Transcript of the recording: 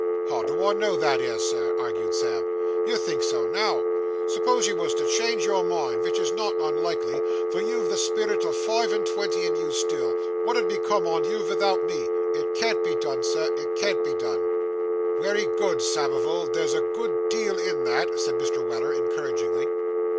'How do I know that 'ere, sir?' argued Sam. 'You think so now! S'pose you wos to change your mind, vich is not unlikely, for you've the spirit o' five and twenty in you still, what 'ud become on you vithout me? It can't be done, Sir, it can't be done.' 'Wery good, Samivel, there's a good deal in that,' said Mr. Weller encouragingly.